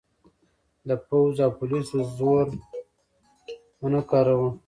د پوځ او پولیسو زور ونه کاراوه.